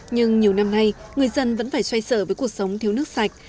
nhưng nhiều năm nay người dân vẫn phải xoay sở với cuộc sống thiếu nước sạch